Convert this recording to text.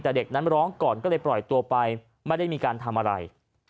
แต่เด็กนั้นร้องก่อนก็เลยปล่อยตัวไปไม่ได้มีการทำอะไร